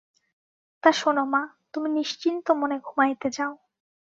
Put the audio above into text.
তা, শোনো মা, তুমি নিশ্চিন্তমনে ঘুমাইতে যাও।